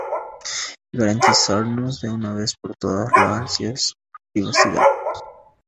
garantizarnos de una vez por todas, la ansiada privacidad